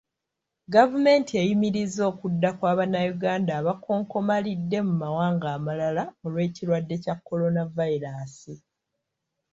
Gavumenti eyimirizza okudda kwa Bannayuganda abakonkomalidde mu mawanga amalala olw'ekirwadde kya Kolanavayiraasi.